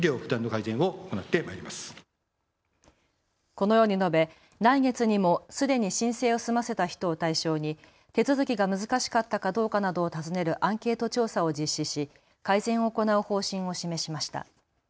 このように述べ、来月にもすでに申請を済ませた人を対象に手続きが難しかったかどうかなどを尋ねるアンケート調査を実施し改善を行う方針を示しました。